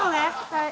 はい。